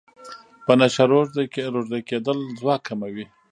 په نشه روږدی کیدل ځواک کموي.